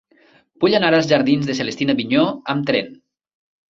Vull anar als jardins de Celestina Vigneaux amb tren.